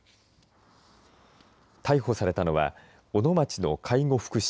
逮捕されたのは小野町の介護福祉士